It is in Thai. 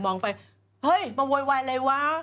ไปเฮ้ยมาโวยวายอะไรวะ